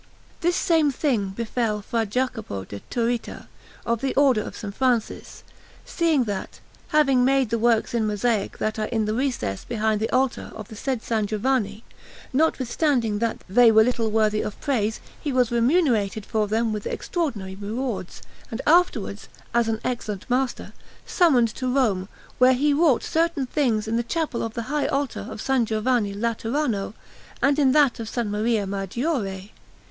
This same thing befell Fra Jacopo da Turrita, of the Order of S. Francis, seeing that, having made the works in mosaic that are in the recess behind the altar of the said S. Giovanni, notwithstanding that they were little worthy of praise he was remunerated for them with extraordinary rewards, and afterwards, as an excellent master, summoned to Rome, where he wrought certain things in the chapel of the high altar of S. Giovanni Laterano, and in that of S. Maria Maggiore.